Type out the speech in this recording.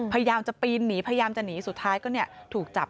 พยายามจะปีนหนีพยายามจะหนีสุดท้ายก็ถูกจับ